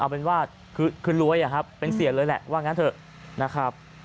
เอาเป็นว่าคือรวยอะครับเป็นเสียเลยแหละว่างั้นเถอะนะครับ